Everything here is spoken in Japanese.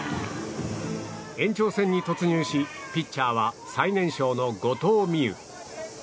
延長戦に突入しピッチャーは最年少の後藤希友。